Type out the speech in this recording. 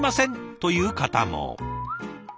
という方も。